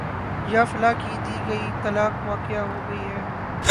یا فلاں کی دی گئی طلاق واقع ہو گئی ہے